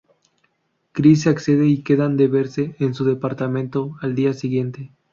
Chris accede y quedan de verse en su departamento al día siguiente.